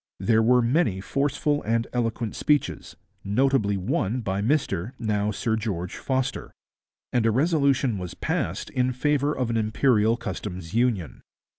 There were many forceful and eloquent speeches, notably one by Mr, now Sir George, Foster, and a resolution was passed in favour of an Imperial Customs Union.